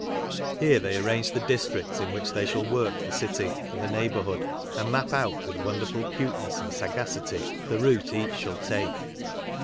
Here they arrange the districts in which they shall work the city and the neighbourhood, and map out with wonderful Muteness and sagacity the route each shall take.